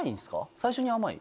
最初に甘い？